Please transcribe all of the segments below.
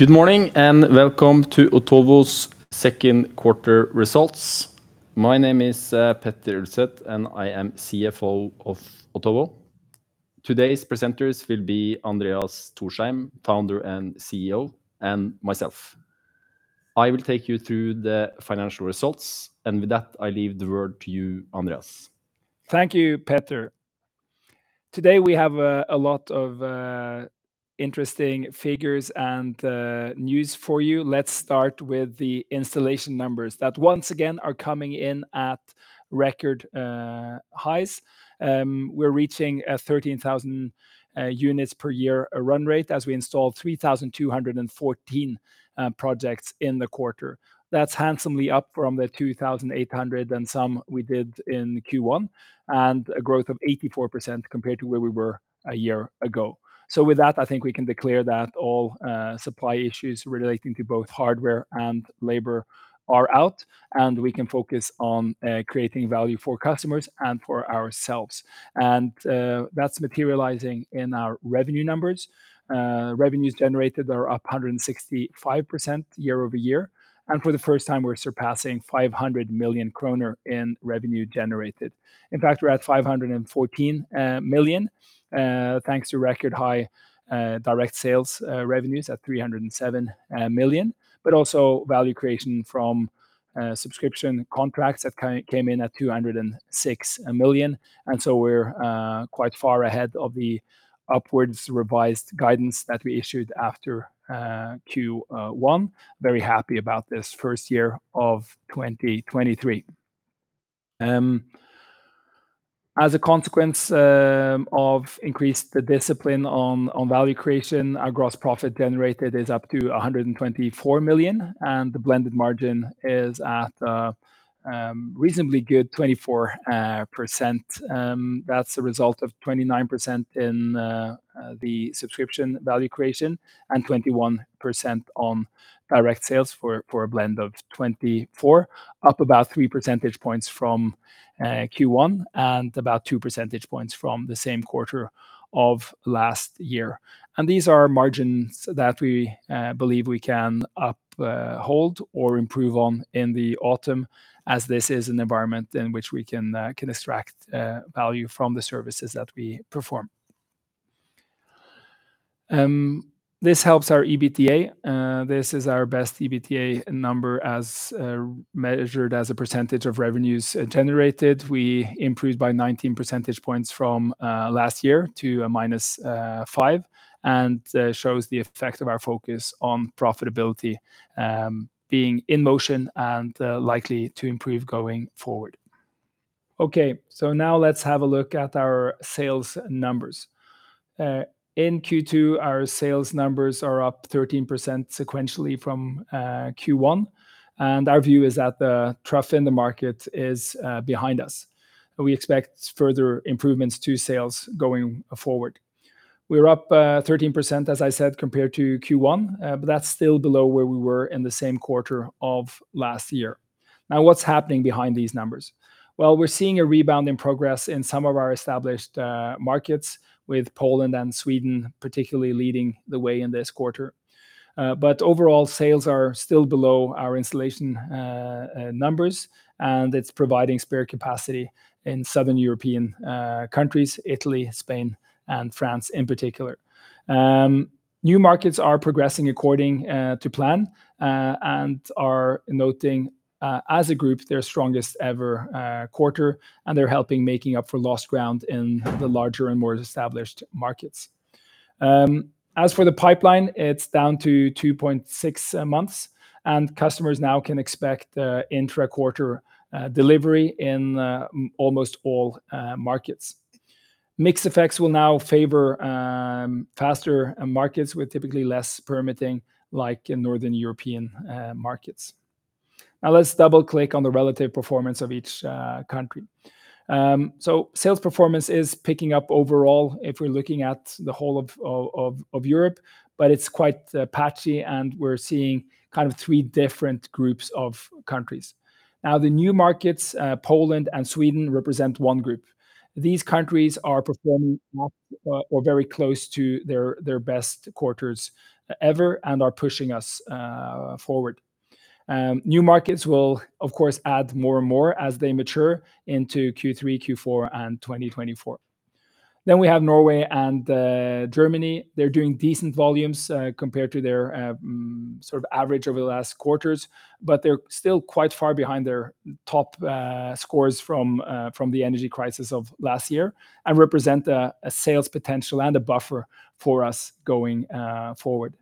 Good morning. Welcome to Otovo's second quarter results. My name is Petter Ulset. I am CFO of Otovo. Today's presenters will be Andreas Thorsheim, founder and CEO, and myself. I will take you through the financial results. With that, I leave the word to you, Andreas. Thank you, Petter. Today, we have a lot of interesting figures and news for you. Let's start with the installation numbers, that once again are coming in at record highs. We're reaching 13,000 units per year run rate, as we install 3,214 projects in the quarter. That's handsomely up from the 2,800 and some we did in Q1, and a growth of 84% compared to where we were a year ago. With that, I think we can declare that all supply issues relating to both hardware and labor are out, and we can focus on creating value for customers and for ourselves. That's materializing in our revenue numbers. Revenues generated are up 165% year-over-year, and for the first time, we're surpassing 500 million kroner in revenue generated. In fact, we're at 514 million thanks to record-high direct sales revenues at 307 million, but also value creation from subscription contracts that came in at 206 million. We're quite far ahead of the upwards revised guidance that we issued after Q1. Very happy about this first year of 2023. As a consequence of increased discipline on value creation, our gross profit generated is up to 124 million, and the blended margin is at a reasonably good 24%. That's a result of 29% in the subscription value creation and 21% on direct sales for a blend of 24%, up about 3 percentage points from Q1 and about 2 percentage points from the same quarter of last year. These are margins that we believe we can uphold or improve on in the autumn, as this is an environment in which we can extract value from the services that we perform. This helps our EBITDA. This is our best EBITDA number as measured as a percentage of revenues generated. We improved by 19 percentage points from last year to a -5%, shows the effect of our focus on profitability being in motion and likely to improve going forward. Now let's have a look at our sales numbers. In Q2, our sales numbers are up 13% sequentially from Q1, and our view is that the trough in the market is behind us, and we expect further improvements to sales going forward. We're up 13%, as I said, compared to Q1, but that's still below where we were in the same quarter of last year. What's happening behind these numbers? Well, we're seeing a rebound in progress in some of our established markets, with Poland and Sweden particularly leading the way in this quarter. Overall, sales are still below our installation numbers, and it's providing spare capacity in Southern European countries, Italy, Spain, and France in particular. New markets are progressing according to plan and are noting as a group, their strongest ever quarter, and they're helping making up for lost ground in the larger and more established markets. As for the pipeline, it's down to 2.6 months. Customers now can expect intra-quarter delivery in almost all markets. Mixed effects will now favor faster markets with typically less permitting, like in Northern European markets. Let's double-click on the relative performance of each country. Sales performance is picking up overall if we're looking at the whole of Europe. It's quite patchy. We're seeing kind of three different groups of countries. The new markets, Poland and Sweden, represent one group. These countries are performing well or very close to their best quarters ever and are pushing us forward. New markets will, of course, add more and more as they mature into Q3, Q4, and 2024. We have Norway and Germany. They're doing decent volumes compared to their sort of average over the last quarters, but they're still quite far behind their top scores from the energy crisis of last year and represent a sales potential and a buffer for us going forward.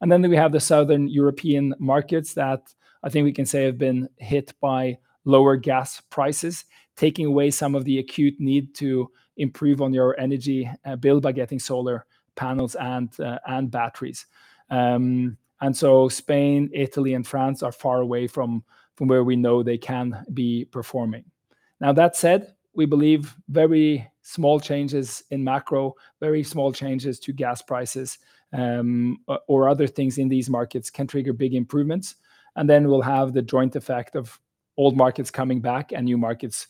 We have the Southern European markets that I think we can say have been hit by lower gas prices, taking away some of the acute need to improve on your energy bill by getting solar panels and batteries. Spain, Italy, and France are far away from where we know they can be performing. Now, that said, we believe very small changes in macro, very small changes to gas prices, or other things in these markets can trigger big improvements, and then we'll have the joint effect of old markets coming back and new markets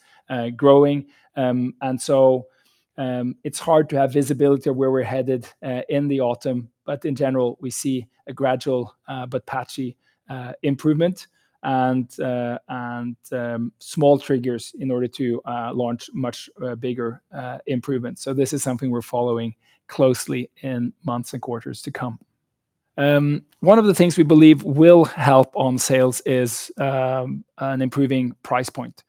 growing. It's hard to have visibility of where we're headed in the autumn, but in general, we see a gradual, but patchy, improvement, and small triggers in order to launch much bigger improvements. This is something we're following closely in months and quarters to come. One of the things we believe will help on sales is an improving price point.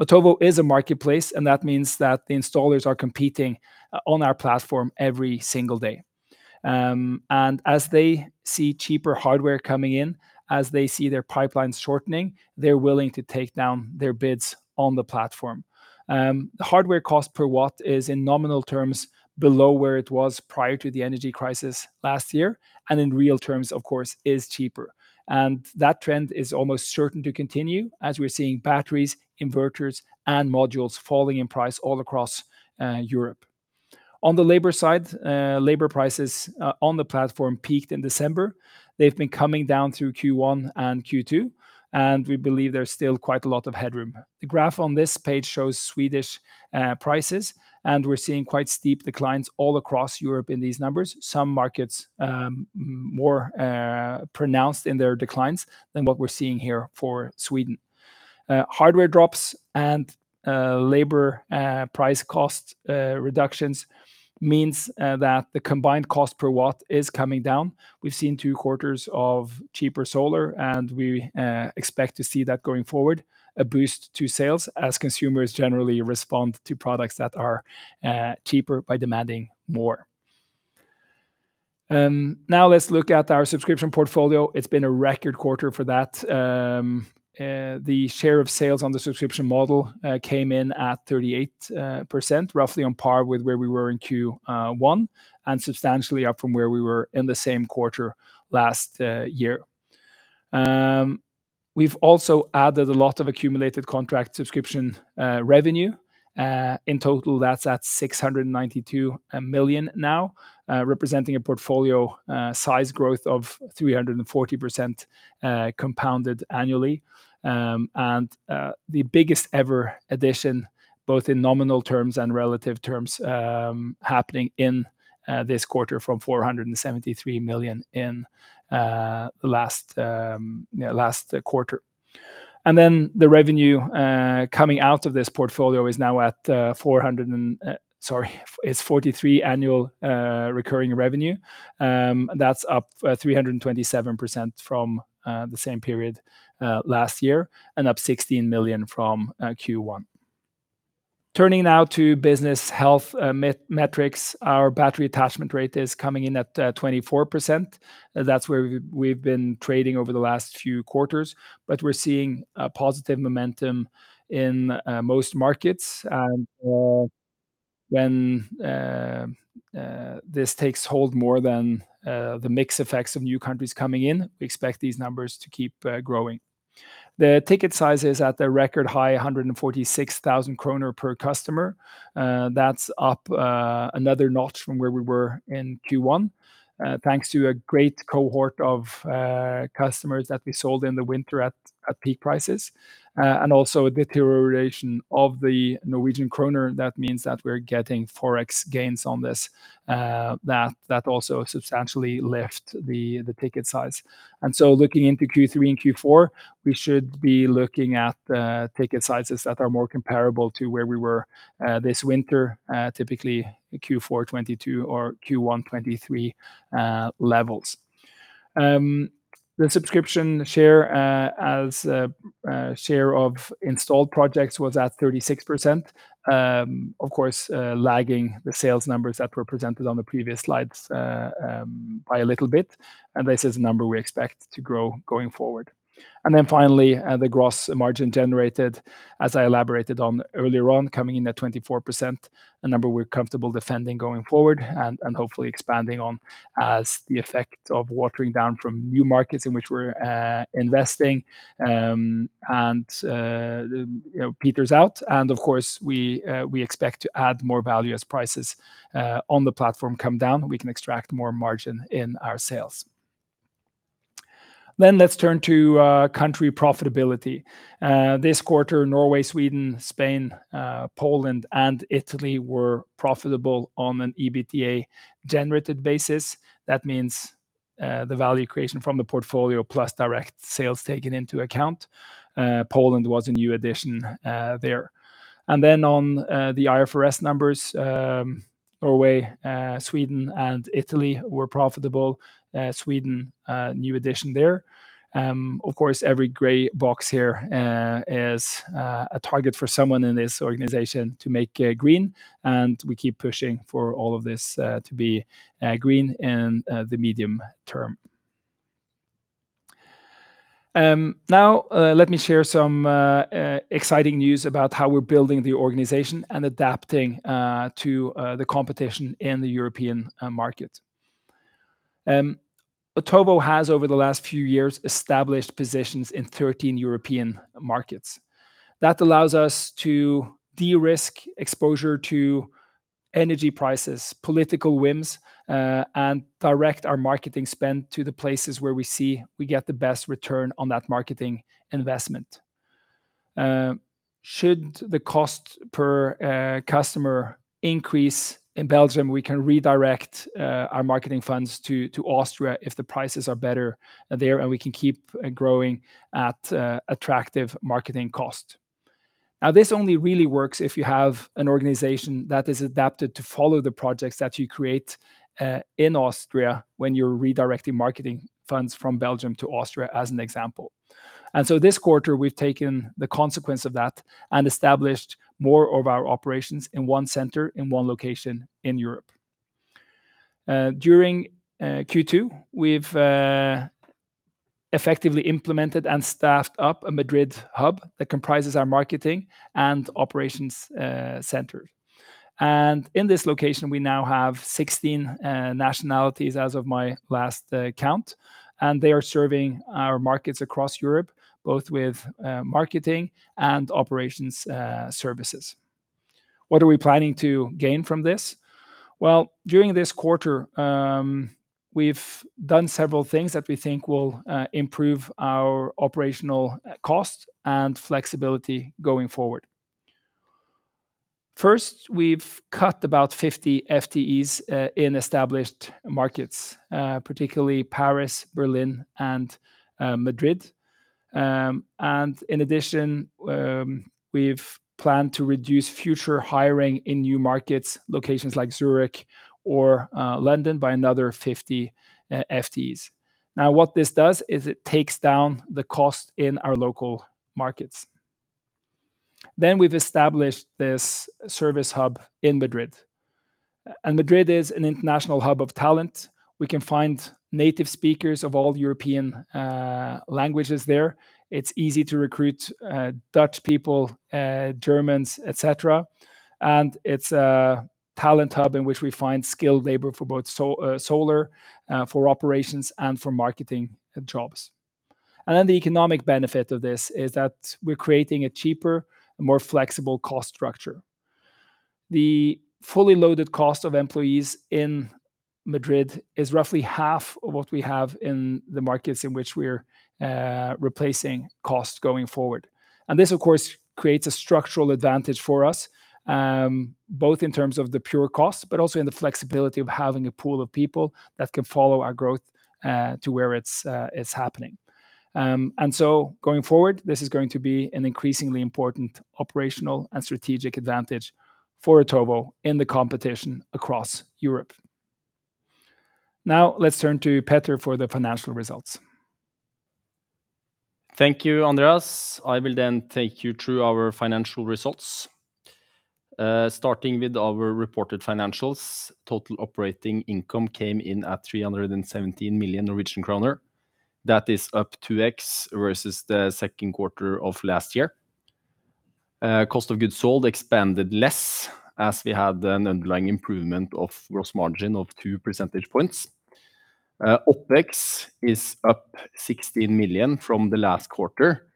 Otovo is a marketplace. That means that the installers are competing on our platform every single day. As they see cheaper hardware coming in, as they see their pipeline shortening, they're willing to take down their bids on the platform. The hardware cost per watt is, in nominal terms, below where it was prior to the energy crisis last year. In real terms, of course, is cheaper. That trend is almost certain to continue as we're seeing batteries, inverters, and modules falling in price all across Europe. On the labor side, labor prices on the platform peaked in December. They've been coming down through Q1 and Q2. We believe there's still quite a lot of headroom. The graph on this page shows Swedish prices. We're seeing quite steep declines all across Europe in these numbers. Some markets, more pronounced in their declines than what we're seeing here for Sweden. Hardware drops and labor price cost reductions means that the combined cost per watt is coming down. We've seen two quarters of cheaper solar, and we expect to see that going forward, a boost to sales as consumers generally respond to products that are cheaper by demanding more. Now let's look at our subscription portfolio. It's been a record quarter for that. The share of sales on the subscription model came in at 38%, roughly on par with where we were in Q1, and substantially up from where we were in the same quarter last year. We've also added a lot of Accumulated Contract Subscription Revenue. In total, that's at 692 million now, representing a portfolio size growth of 340% compounded annually. The biggest ever addition, both in nominal terms and relative terms, happening in this quarter from 473 million in the last quarter. The revenue coming out of this portfolio is now at 43 annual recurring revenue. That's up 327% from the same period last year, and up 16 million from Q1. Turning now to business health metrics. Our battery attachment rate is coming in at 24%. That's where we've been trading over the last few quarters. We're seeing a positive momentum in most markets. When this takes hold more than the mix effects of new countries coming in, we expect these numbers to keep growing. The ticket size is at a record high, 146,000 kroner per customer. That's up another notch from where we were in Q1. Thanks to a great cohort of customers that we sold in the winter at peak prices, and also a deterioration of the Norwegian kroner. That means that we're getting Forex gains on this that also substantially lift the ticket size. Looking into Q3 and Q4, we should be looking at ticket sizes that are more comparable to where we were this winter, typically Q4 2022 or Q1 2023 levels. The subscription share, as share of installed projects, was at 36%. Of course, lagging the sales numbers that were presented on the previous slides by a little bit, and this is a number we expect to grow going forward. Finally, the gross margin generated, as I elaborated on earlier on, coming in at 24%, a number we're comfortable defending going forward and hopefully expanding on as the effect of watering down from new markets in which we're investing. You know, peters out, and of course, we expect to add more value as prices on the platform come down, we can extract more margin in our sales. Let's turn to country profitability. This quarter, Norway, Sweden, Spain, Poland, and Italy were profitable on an EBITDA Generated basis. That means the value creation from the portfolio, plus direct sales taken into account. Poland was a new addition there. Then on the IFRS numbers, Norway, Sweden, and Italy were profitable. Sweden new addition there. Of course, every gray box here is a target for someone in this organization to make green, and we keep pushing for all of this to be green in the medium term. Now, let me share some exciting news about how we're building the organization and adapting to the competition in the European market. Otovo has, over the last few years, established positions in 13 European markets. That allows us to de-risk exposure to energy prices, political whims, and direct our marketing spend to the places where we see we get the best return on that marketing investment. Should the cost per customer increase in Belgium, we can redirect our marketing funds to Austria if the prices are better there, and we can keep growing at attractive marketing cost. This only really works if you have an organization that is adapted to follow the projects that you create in Austria when you're redirecting marketing funds from Belgium to Austria, as an example. This quarter, we've taken the consequence of that and established more of our operations in one center, in one location in Europe. During Q2, we've effectively implemented and staffed up a Madrid hub that comprises our marketing and operations center. In this location, we now have 16 nationalities as of my last count, and they are serving our markets across Europe, both with marketing and operations services. What are we planning to gain from this? During this quarter, we've done several things that we think will improve our operational cost and flexibility going forward. First, we've cut about 50 FTEs in established markets, particularly Paris, Berlin, and Madrid. In addition, we've planned to reduce future hiring in new markets, locations like Zurich or London, by another 50 FTEs. What this does is it takes down the cost in our local markets. We've established this service hub in Madrid, and Madrid is an international hub of talent. We can find native speakers of all European languages there. It's easy to recruit Dutch people, Germans, et cetera. It's a talent hub in which we find skilled labor for both solar, for operations and for marketing jobs. The economic benefit of this is that we're creating a cheaper and more flexible cost structure. The fully loaded cost of employees in Madrid is roughly half of what we have in the markets in which we're replacing costs going forward. This, of course, creates a structural advantage for us, both in terms of the pure cost, but also in the flexibility of having a pool of people that can follow our growth, to where it's happening. Going forward, this is going to be an increasingly important operational and strategic advantage for Otovo in the competition across Europe. Now, let's turn to Petter for the financial results. Thank you, Andreas. I will take you through our financial results. Starting with our reported financials, total operating income came in at 317 million Norwegian kroner. That is up 2x versus the second quarter of last year. Cost of goods sold expanded less, as we had an underlying improvement of gross margin of 2 percentage points. OpEx is up 16 million from the last quarter.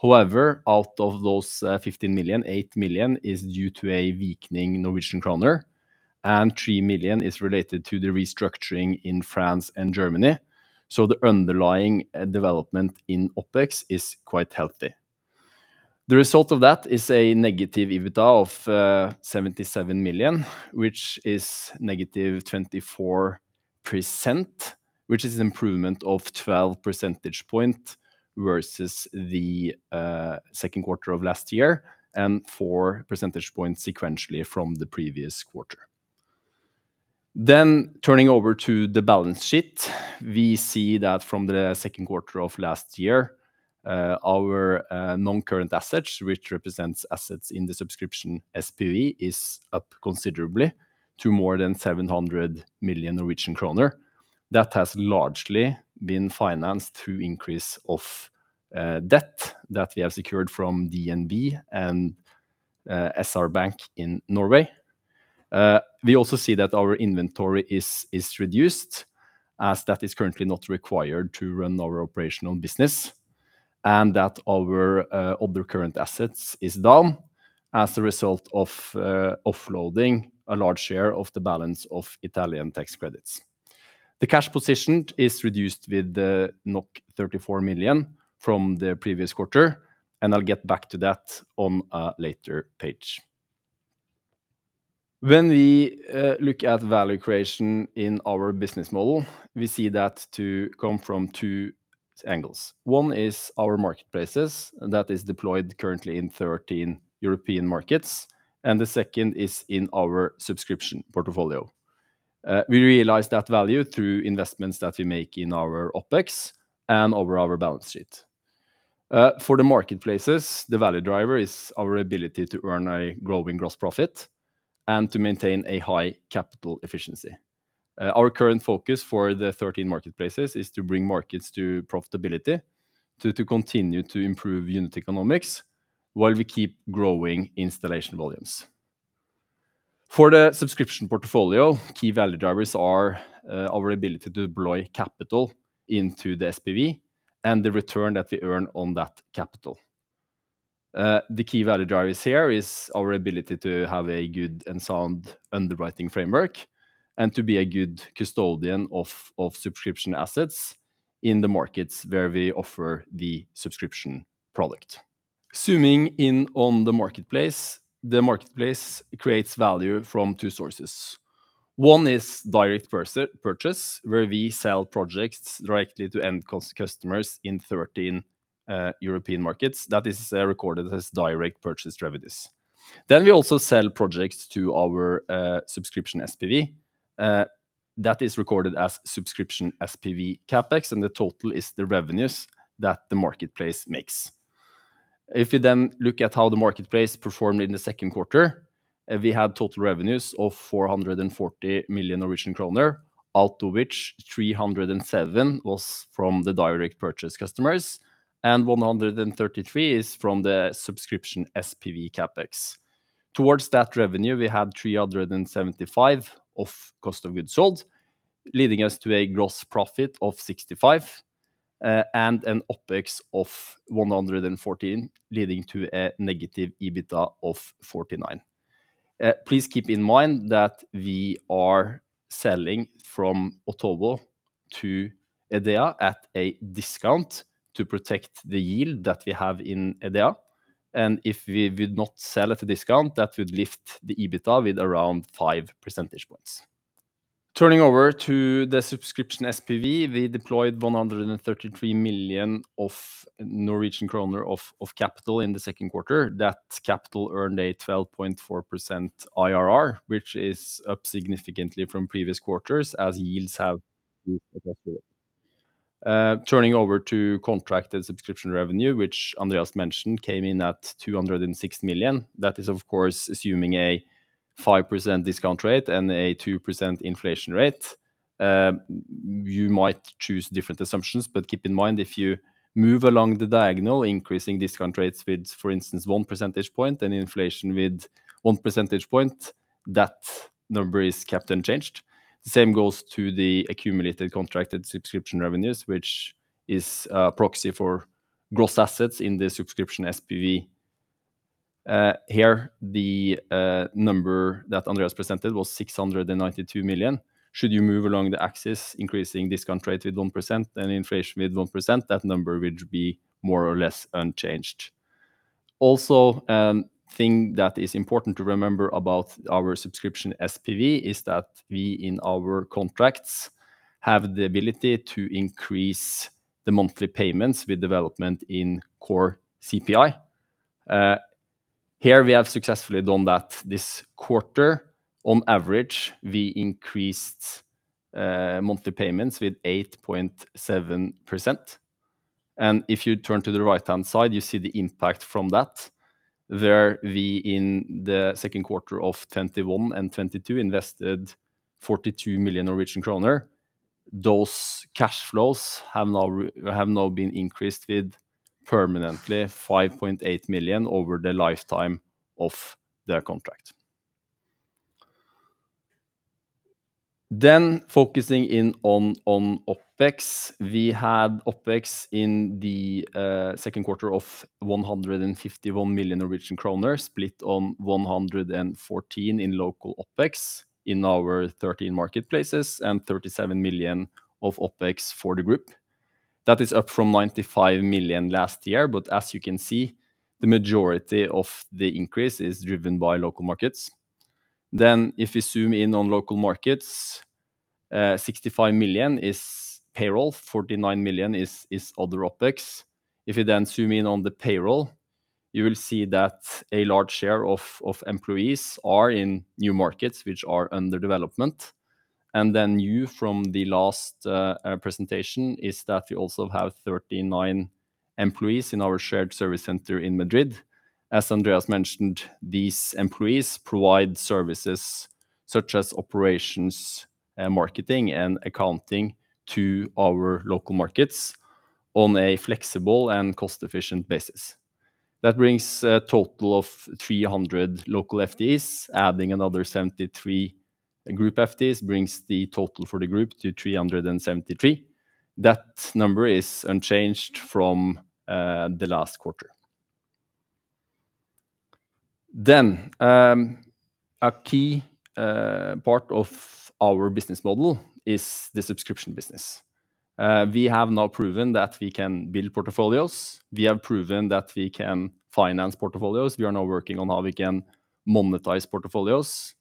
However, out of those, 15 million, 8 million is due to a weakening Norwegian kroner, and 3 million is related to the restructuring in France and Germany. The underlying development in OpEx is quite healthy. The result of that is a negative EBITDA of 77 million, which is negative 24%, which is an improvement of 12 percentage point versus the second quarter of last year, and 4 percentage points sequentially from the previous quarter. Turning over to the balance sheet, we see that from the second quarter of last year, our non-current assets, which represents assets in the subscription SPV, is up considerably to more than 700 million Norwegian kroner. That has largely been financed through increase of debt that we have secured from DNB and SR-Bank in Norway. We also see that our inventory is reduced, as that is currently not required to run our operational business, and that our other current assets is down as a result of offloading a large share of the balance of Italian tax credits. The cash position is reduced with the 34 million from the previous quarter, and I'll get back to that on a later page. When we look at value creation in our business model, we see that to come from two angles. One is our marketplaces, and that is deployed currently in 13 European markets, and the second is in our subscription portfolio. We realize that value through investments that we make in our OpEx and over our balance sheet. For the marketplaces, the value driver is our ability to earn a growing gross profit and to maintain a high capital efficiency. Our current focus for the 13 marketplaces is to bring markets to profitability, to continue to improve unit economics while we keep growing installation volumes. For the subscription portfolio, key value drivers are our ability to deploy capital into the SPV and the return that we earn on that capital. The key value drivers here is our ability to have a good and sound underwriting framework, and to be a good custodian of subscription assets in the markets where we offer the subscription product. Zooming in on the marketplace. The marketplace creates value from 2 sources. One is direct purchase, where we sell projects directly to end customers in 13 European markets. That is recorded as direct purchase revenues. We also sell projects to our subscription SPV. That is recorded as subscription SPV CapEx, and the total is the revenues that the marketplace makes. If you then look at how the marketplace performed in the second quarter, we had total revenues of 440 million Norwegian kroner, out of which 307 was from the direct purchase customers, and 133 is from the subscription SPV CapEx. Towards that revenue, we had 375 of cost of goods sold, leading us to a gross profit of 65, and an OpEx of 114, leading to a negative EBITDA of 49. Please keep in mind that we are selling from Otovo to EDEA at a discount to protect the yield that we have in EDEA, if we would not sell at a discount, that would lift the EBITDA with around 5 percentage points. Turning over to the subscription SPV, we deployed 133 million of capital in the second quarter. That capital earned a 12.4% IRR, which is up significantly from previous quarters as yields have... Turning over to contracted subscription revenue, which Andreas mentioned, came in at 206 million. That is, of course, assuming a 5% discount rate and a 2% inflation rate. You might choose different assumptions, but keep in mind, if you move along the diagonal, increasing discount rates with, for instance, one percentage point and inflation with one percentage point, that number is kept unchanged. The same goes to the accumulated contracted subscription revenues, which is a proxy for gross assets in the subscription SPV. Here, the number that Andreas presented was 692 million. Should you move along the axis, increasing discount rate with 1% and inflation with 1%, that number would be more or less unchanged. Thing that is important to remember about our subscription SPV is that we, in our contracts, have the ability to increase the monthly payments with development in core CPI. Here we have successfully done that this quarter. On average, we increased monthly payments with 8.7%. If you turn to the right-hand side, you see the impact from that. There, we in the second quarter of 2021 and 2022, invested 42 million kroner. Those cash flows have now been increased with permanently 5.8 million over the lifetime of their contract. Focusing in on OpEx. We had OpEx in the second quarter of 151 million Norwegian kroner, split on 114 million in local OpEx in our 13 marketplaces, and 37 million of OpEx for the group. That is up from 95 million last year, but as you can see, the majority of the increase is driven by local markets. If you zoom in on local markets, 65 million is payroll, 49 million is other OpEx. If you then zoom in on the payroll, you will see that a large share of employees are in new markets, which are under development. You, from the last presentation, is that we also have 39 employees in our Shared Service Center in Madrid. As Andreas Thorsheim mentioned, these employees provide services such as operations and marketing and accounting to our local markets on a flexible and cost-efficient basis. That brings a total of 300 local FTEs, adding another 73 group FTEs brings the total for the group to 373. That number is unchanged from the last quarter. A key part of our business model is the subscription business. We have now proven that we can build portfolios. We have proven that we can finance portfolios. We are now working on how we can monetize portfolios.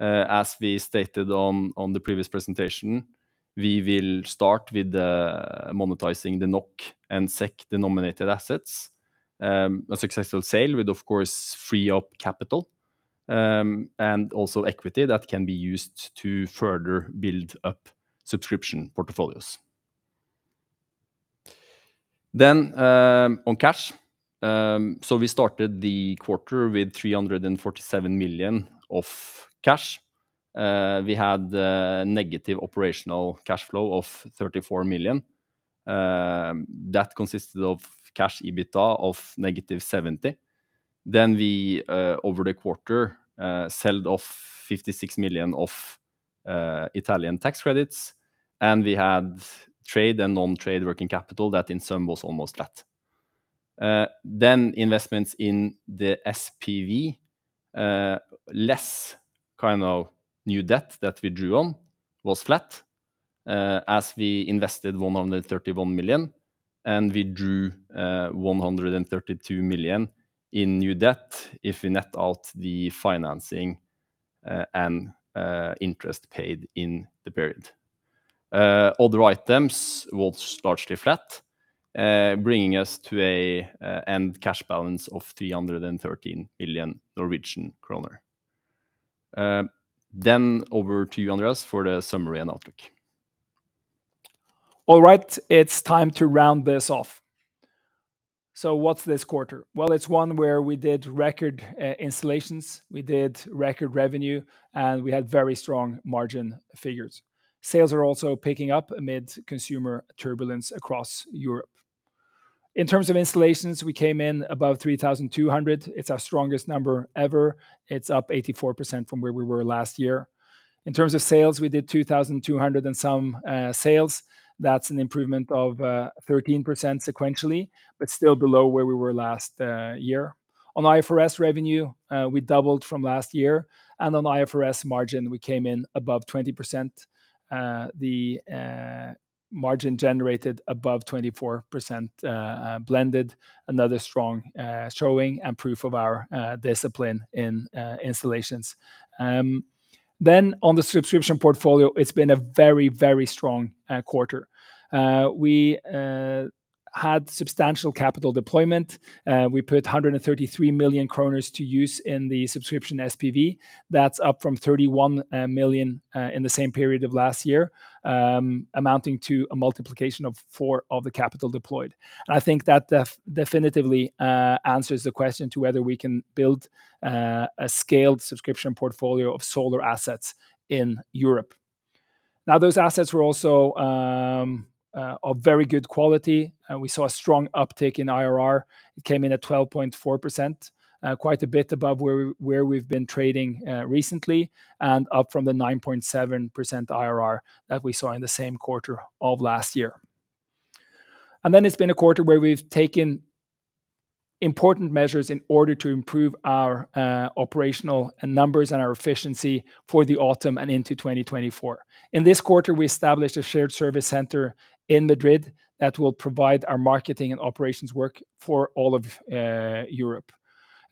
As we stated on the previous presentation, we will start with monetizing the NOK and SEK-denominated assets. A successful sale would, of course, free up capital and also equity that can be used to further build up subscription portfolios. On cash. We started the quarter with 347 million of cash. We had negative operational cash flow of 34 million. That consisted of cash EBITDA of negative 70. We over the quarter sold off 56 million of Italian tax credits, and we had trade and non-trade working capital. That in sum was almost flat. Investments in the SPV less kind of new debt that we drew on was flat, as we invested 131 million, and we drew 132 million in new debt if we net out the financing and interest paid in the period. Other items were largely flat, bringing us to an end cash balance of 313 million Norwegian kroner. Over to you, Andreas, for the summary and outlook. All right, it's time to round this off. What's this quarter? Well, it's one where we did record installations, we did record revenue, and we had very strong margin figures. Sales are also picking up amid consumer turbulence across Europe. In terms of installations, we came in above 3,200. It's our strongest number ever. It's up 84% from where we were last year. In terms of sales, we did 2,200 and some sales. That's an improvement of 13% sequentially, but still below where we were last year. On IFRS revenue, we doubled from last year, and on IFRS margin, we came in above 20%. The margin generated above 24% blended another strong showing and proof of our discipline in installations. On the subscription portfolio, it's been a very, very strong quarter. We had substantial capital deployment. We put 133 million kroner to use in the subscription SPV. That's up from 31 million in the same period of last year, amounting to a multiplication of 4 of the capital deployed. I think that definitively answers the question to whether we can build a scaled subscription portfolio of solar assets in Europe. Those assets were also a very good quality, and we saw a strong uptick in IRR. It came in at 12.4%, quite a bit above where we've been trading recently, and up from the 9.7% IRR that we saw in the same quarter of last year. It's been a quarter where we've taken important measures in order to improve our operational numbers and our efficiency for the autumn and into 2024. In this quarter, we established a Shared Service Center in Madrid that will provide our marketing and operations work for all of Europe.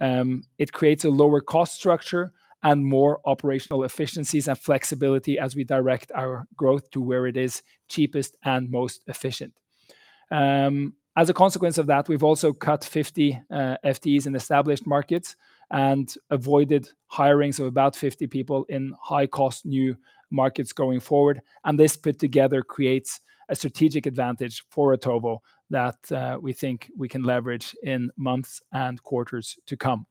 It creates a lower cost structure and more operational efficiencies and flexibility as we direct our growth to where it is cheapest and most efficient. As a consequence of that, we've also cut 50 FTEs in established markets and avoided hirings of about 50 people in high-cost new markets going forward, and this put together creates a strategic advantage for Otovo that we think we can leverage in months and quarters to come.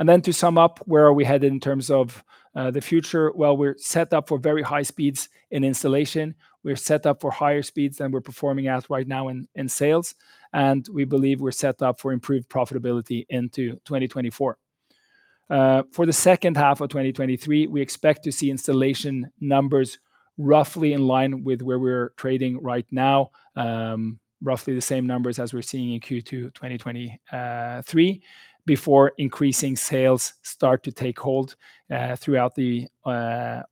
To sum up, where are we headed in terms of the future? We're set up for very high speeds in installation. We're set up for higher speeds than we're performing at right now in sales, and we believe we're set up for improved profitability into 2024. For the second half of 2023, we expect to see installation numbers roughly in line with where we're trading right now, roughly the same numbers as we're seeing in Q2 2023, before increasing sales start to take hold throughout the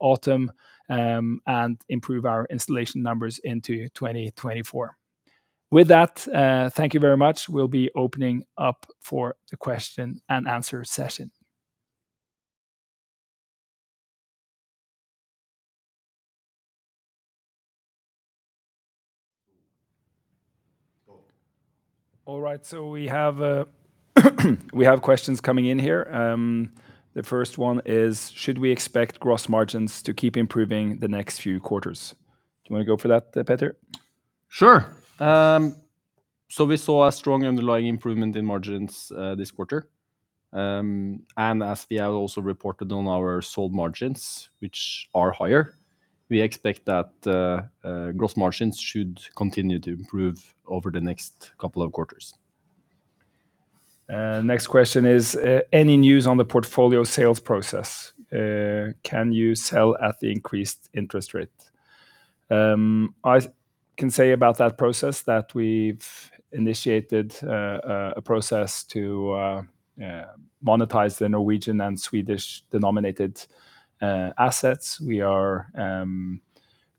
autumn, and improve our installation numbers into 2024. With that, thank you very much. We'll be opening up for the question-and-answer session. All right, we have questions coming in here. The first one is: Should we expect gross margins to keep improving the next few quarters? Do you wanna go for that, Petter? Sure. We saw a strong underlying improvement in margins, this quarter. As we have also reported on our sold margins, which are higher, we expect that, gross margins should continue to improve over the next couple of quarters. Next question is: Any news on the portfolio sales process? Can you sell at the increased interest rate? I can say about that process that we've initiated a process to monetize the Norwegian and Swedish-denominated assets. We are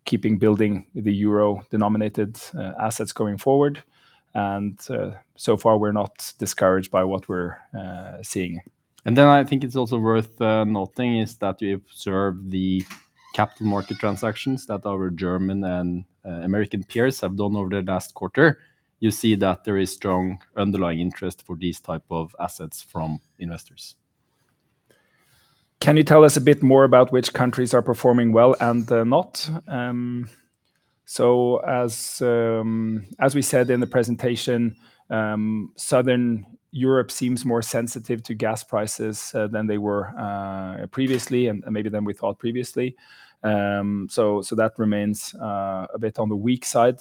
keeping building the euro-denominated assets going forward, and so far we're not discouraged by what we're seeing. I think it's also worth noting is that we observe the capital market transactions that our German and American peers have done over the last quarter. You see that there is strong underlying interest for these type of assets from investors. Can you tell us a bit more about which countries are performing well and not? As we said in the presentation, Southern Europe seems more sensitive to gas prices than they were previously and maybe than we thought previously. That remains a bit on the weak side.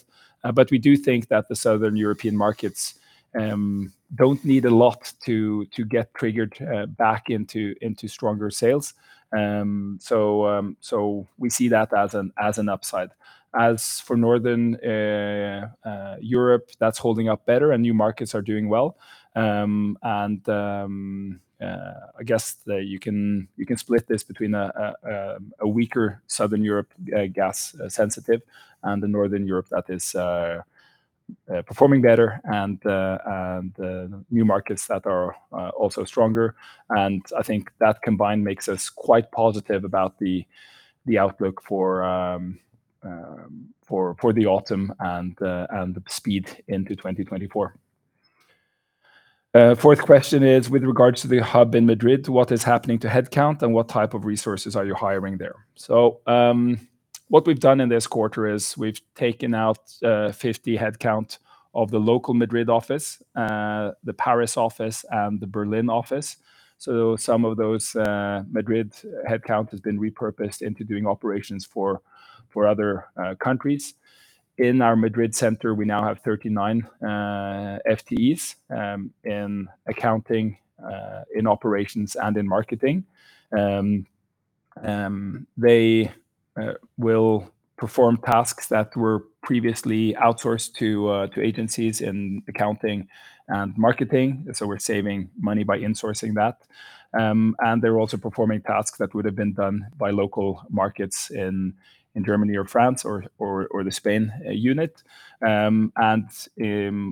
We do think that the Southern European markets don't need a lot to get triggered back into stronger sales. We see that as an upside. As for Northern Europe, that's holding up better, and new markets are doing well. I guess that you can split this between a weaker Southern Europe, gas sensitive, and the Northern Europe that is performing better and the new markets that are also stronger. I think that combined makes us quite positive about the outlook for the autumn and the speed into 2024. Fourth question is: With regards to the hub in Madrid, what is happening to headcount, and what type of resources are you hiring there? What we've done in this quarter is we've taken out 50 headcount of the local Madrid office, the Paris office, and the Berlin office. Some of those Madrid headcount has been repurposed into doing operations for other countries. In our Madrid center, we now have 39 FTEs in accounting, in operations, and in marketing. They will perform tasks that were previously outsourced to agencies in accounting and marketing. We're saving money by insourcing that. They're also performing tasks that would have been done by local markets in Germany or France or the Spain unit.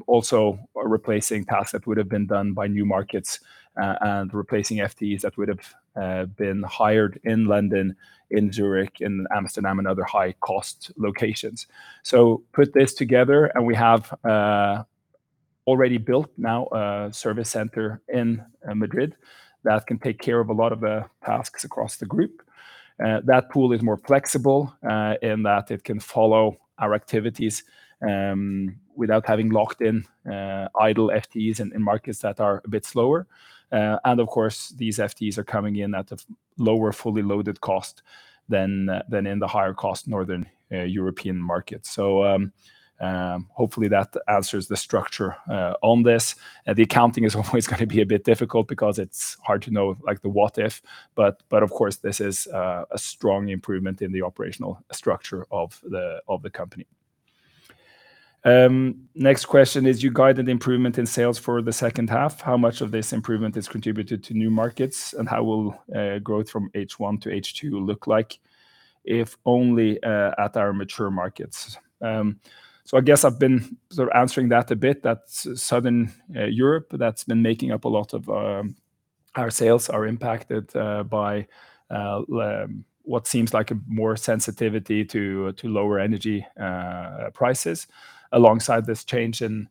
Also replacing tasks that would have been done by new markets and replacing FTEs that would have been hired in London, in Zurich, in Amsterdam, and other high-cost locations. Put this together, and we have already built now a service center in Madrid that can take care of a lot of the tasks across the group. That pool is more flexible in that it can follow our activities without having locked in idle FTEs in markets that are a bit slower. Of course, these FTEs are coming in at a lower, fully loaded cost than in the higher cost Northern European market. Hopefully that answers the structure on this. The accounting is always gonna be a bit difficult because it's hard to know, like, the what if. Of course, this is a strong improvement in the operational structure of the company. Next question is: You guided the improvement in sales for the second half. How much of this improvement is contributed to new markets, and how will growth from H1 to H2 look like if only at our mature markets? I guess I've been sort of answering that a bit. That's Southern Europe that's been making up a lot of our sales are impacted by what seems like a more sensitivity to lower energy prices, alongside this change in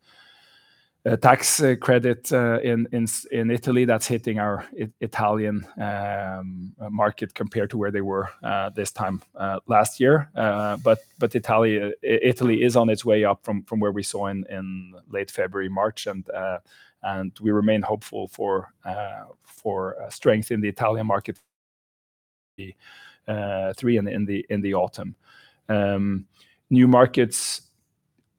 tax credit in Italy that's hitting our Italian market compared to where they were this time last year. Italy is on its way up from where we saw in late February, March, and we remain hopeful for strength in the Italian market 3 in the autumn. New markets,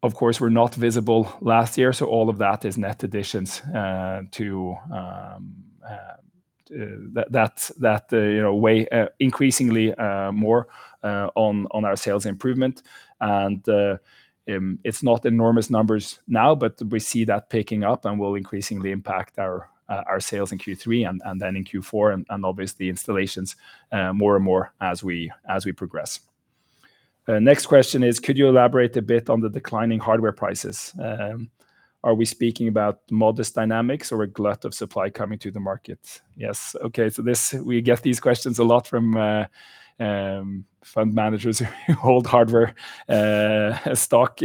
of course, were not visible last year, so all of that is net additions to that, you know, weigh increasingly more on our sales improvement. It's not enormous numbers now, but we see that picking up and will increasingly impact our sales in Q3 and then in Q4, and obviously, installations more and more as we progress. Next question is: Could you elaborate a bit on the declining hardware prices? Are we speaking about modest dynamics or a glut of supply coming to the market? Yes. Okay. We get these questions a lot from fund managers who hold hardware stock.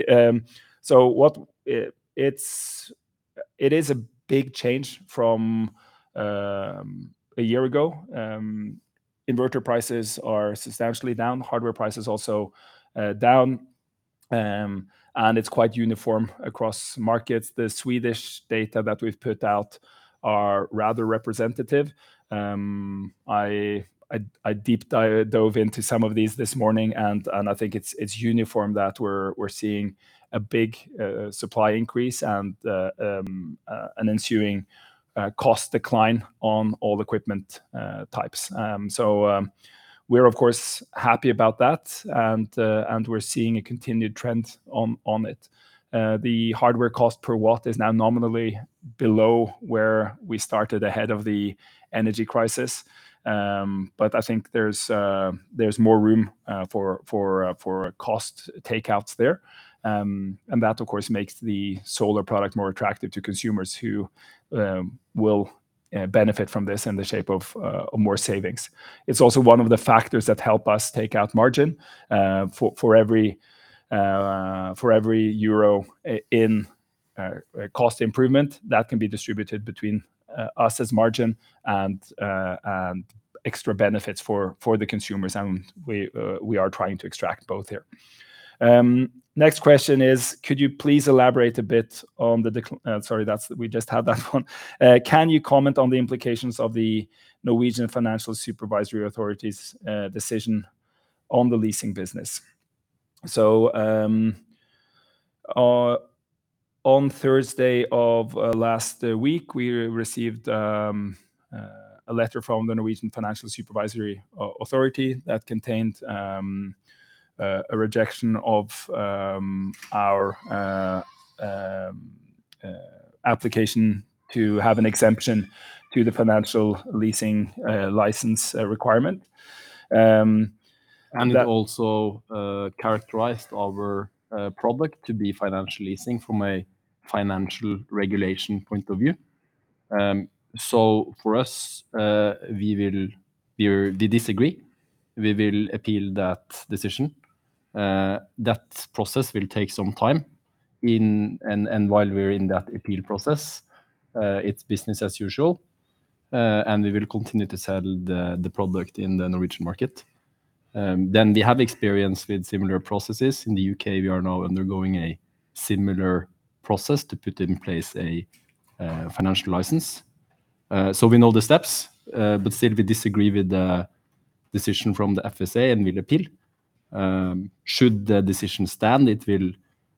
What... It is a big change from a year ago. Inverter prices are substantially down, hardware prices also down. It's quite uniform across markets. The Swedish data that we've put out are rather representative. I deep dove into some of these this morning, and I think it's uniform that we're seeing a big supply increase and an ensuing cost decline on all equipment types. We're, of course, happy about that, and we're seeing a continued trend on it. The hardware cost per watt is now nominally below where we started ahead of the energy crisis. I think there's more room for cost takeouts there. That, of course, makes the solar product more attractive to consumers who will benefit from this in the shape of more savings. It's also one of the factors that help us take out margin for every EUR in cost improvement. That can be distributed between us as margin and extra benefits for the consumers, we are trying to extract both here. Next question is: Can you comment on the implications of the Norwegian Financial Supervisory Authority's decision on the leasing business? On Thursday of last week, we received a letter from the Norwegian Financial Supervisory Authority that contained a rejection of our application to have an exemption to the financial leasing license requirement. It also characterized our product to be financial leasing from a financial regulation point of view. For us, we disagree. We will appeal that decision. That process will take some time. While we're in that appeal process, it's business as usual, and we will continue to sell the product in the Norwegian market. We have experience with similar processes. In the UK, we are now undergoing a similar process to put in place a financial license. We know the steps, but still we disagree with the decision from the FSA and will appeal. Should the decision stand, it will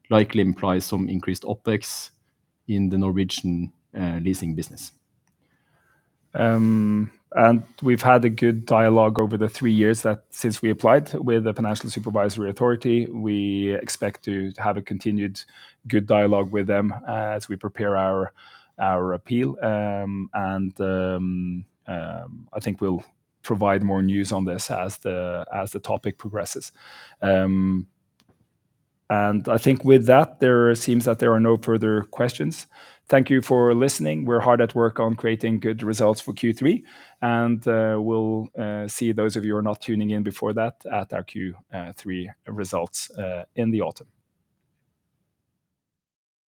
likely imply some increased OpEx in the Norwegian leasing business. We've had a good dialogue over the 3 years that since we applied with the Financial Supervisory Authority. We expect to have a continued good dialogue with them as we prepare our appeal. I think we'll provide more news on this as the topic progresses. I think with that, there seems that there are no further questions. Thank you for listening. We're hard at work on creating good results for Q3, and we'll see those of you who are not tuning in before that at our Q3 results in the autumn.